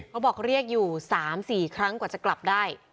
เขาบอกเรียกอยู่สามสี่ครั้งกว่าจะกลับได้